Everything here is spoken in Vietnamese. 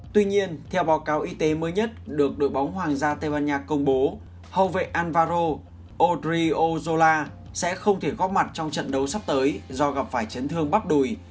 tuy nhiên theo báo cáo y tế mới nhất được đội bóng hoàng gia tây ban nha công bố hầu vệ alvaro odri ozola sẽ không thể góp mặt trong trận đấu sắp tới do gặp phải chấn thương bắp đùi